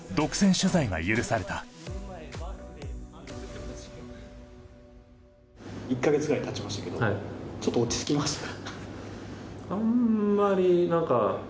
取材が許された１か月ぐらいたちましたけどちょっと落ち着きましたか？